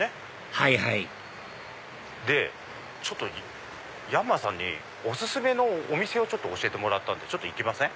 はいはいヤンマーさんにお薦めのお店を教えてもらったんで行きません？